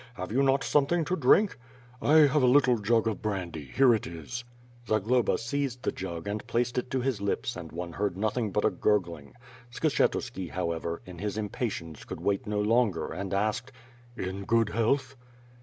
Have you not something to drink?" "I have a little jug of brandy; here it is." Zagloba seized the jug and placed it to his lips and one heard nothing but a gurgling. Skshetuski, however, in his impatience could wait no longer and asked: "In good health?"